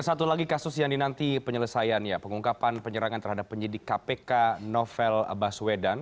ada satu lagi kasus yang dinanti penyelesaiannya pengungkapan penyerangan terhadap penyidik kpk novel baswedan